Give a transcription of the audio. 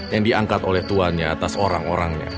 yang diangkat oleh tuannya atas orang orangnya